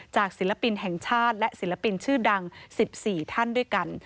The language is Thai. ศิลปินแห่งชาติและศิลปินชื่อดัง๑๔ท่านด้วยกัน